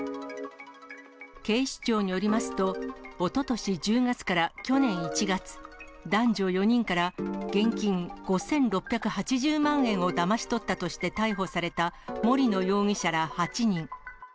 警視庁によりますと、おととし１０月から去年１月、男女４人から現金５６８０万円をだまし取ったとして逮捕された、森野容疑者ら８人。